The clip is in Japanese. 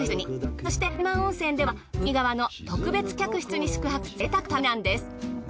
そして輪島温泉では海側の特別客室に宿泊する贅沢な旅なんです。